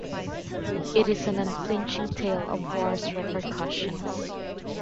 It is an unflinching tale of war's repercussions.